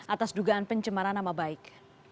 atas dugaan pencemaran nama baik